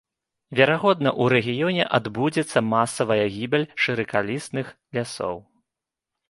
Верагодна, у рэгіёне адбудзецца масавая гібель шыракалістых лясоў.